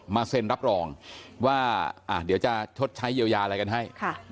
เซ็นรับรองว่าเดี๋ยวจะชดใช้เยียวยาอะไรกันให้